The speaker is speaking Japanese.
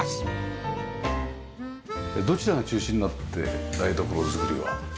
どちらが中心になって台所作りは？